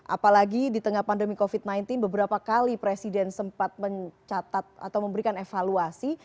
apalagi di tengah pandemi covid sembilan belas beberapa kali presiden sempat mencatat atau memberikan evaluasi